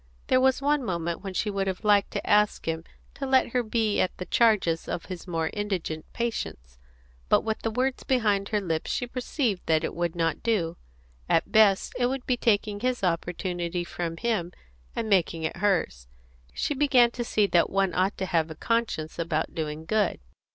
There was one moment when she would have liked to ask him to let her be at the charges of his more indigent patients, but with the words behind her lips she perceived that it would not do. At the best, it would be taking his opportunity from him and making it hers. She began to see that one ought to have a conscience about doing good.